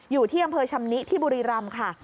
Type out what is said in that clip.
อยู่ที่อำเภอชำนิที่บุรีรำค่ะ